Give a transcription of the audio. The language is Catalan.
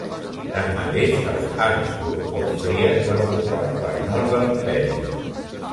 Tanmateix, els Habsburg austríacs van ocupar la part nord de l'imperi.